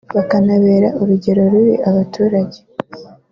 bakanabera urugero rubi abaturage